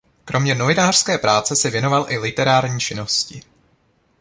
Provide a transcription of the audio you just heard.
Kromě novinářské práce se věnoval i literární činnosti.